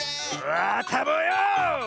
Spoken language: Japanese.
あたぼうよ！